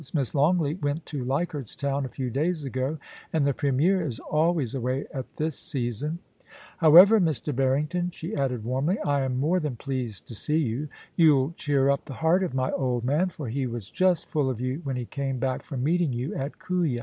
Miss Longleat went to Leichardt^s Town a few days ago, and the Premier is always away at this season. However, Mr. Barrington,' she added warmly, * I am more than pleased to see you. You'll cheer up the heart of my old man, for he was just full of you when he came back from meeting you at Kooya.